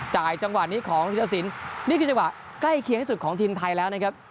จังหวะนี้ของธิรสินนี่คือจังหวะใกล้เคียงที่สุดของทีมไทยแล้วนะครับ